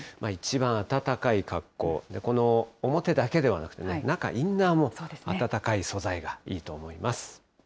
一番暖かい格好、この表だけではなくて、中、インナーも暖かい素材がいいと思います。